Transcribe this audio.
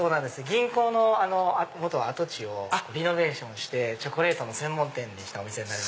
銀行の跡地をリノベーションしてチョコレートの専門店にした。